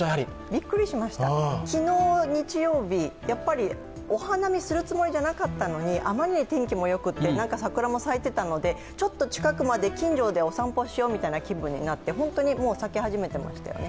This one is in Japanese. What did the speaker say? びっくりしました昨日、日曜日お花見するつもりなかったのにあまりに天気もよくて桜も咲いていたのでちょっと近くまで近所でお散歩しようみたいな気分になって本当にもう咲き始めていましたよね。